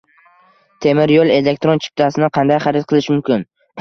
Temir yo‘l elektron chiptasini qanday xarid qilish mumkin?